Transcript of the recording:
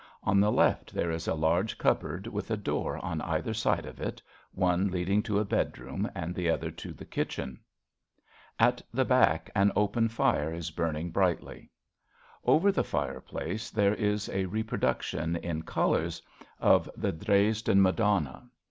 On the left there is a large cupboard with a door on either side of it, one leading to a bedroom and the other to the kitchen. At the back an open fire is burning b7'ightly. Over the fireplace there is a repro duction in colours of the Dresden 9 RADA Madonna.